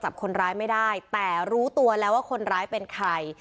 จับคนร้ายไม่ได้แต่รู้ตัวแล้วว่าคนร้ายเป็นใคร